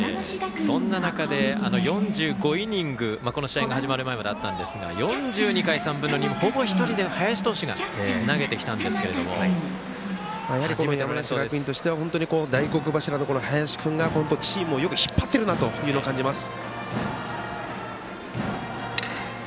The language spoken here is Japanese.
そんな中で４５イニング、この試合が始まる前まであったんですが４２回３分の２ほぼ一人で、林投手が山梨学院としては大黒柱の林君がチームをよく引っ張っているなというのを感じます。